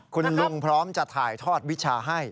คุณลุงพร้อมจะถ่ายทอดวิชาให้